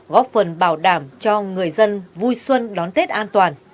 góp phần bảo đảm cho người dân vui xuân đón tết an toàn